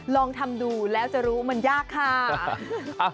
ลองทำดูแล้วจะรู้มันยากค่ะ